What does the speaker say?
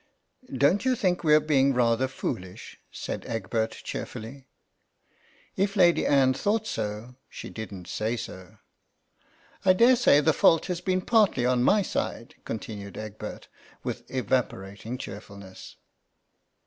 "Don't you think we're being rather foolish ?" said Egbert cheerfully. If Lady Anne thought so she didn't say so. " I dare say the fault has been partly on my side," continued Egbert, with evaporating cheerfulness.